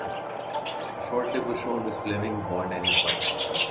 A short clip was shown with Fleming, Bond and his wife.